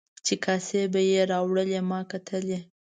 چې کاسې به یې راوړلې ما کتلې.